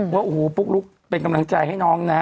เพราะอูหูปุ๊กลุกเป็นกำลังใจให้น้องนะ